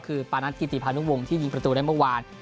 คือปานัทกิติพานุวงศ์ที่ยิงประตูได้เมื่อวาน